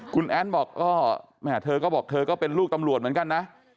คุณแอ้นบอกก็แม่เธอก็บอกเธอก็เป็นลูกตำรวจเหมือนกันนะ